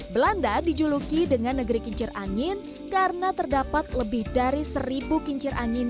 belanda dijuluki dengan negeri kincir angin karena terdapat lebih dari seribu kincir angin